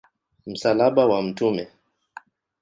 Msalaba wa Mt.